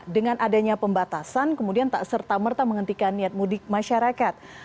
dengan adanya pembatasan kemudian tak serta merta menghentikan niat mudik masyarakat